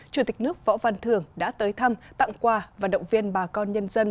chủ tịch nước võ văn thường đã tới thăm tặng quà và động viên bà con nhân dân